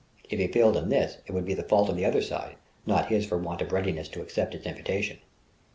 If he failed in this, it would be the fault of the other side, not his for want of readiness to accept its invitation.